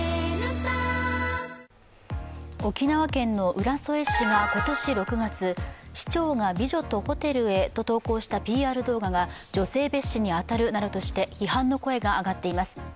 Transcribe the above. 沖縄県の浦添市が今年６月、「市長が美女とホテルへ」と投稿したＰＲ動画が女性蔑視に当たるなどとして批判の声が上がっています。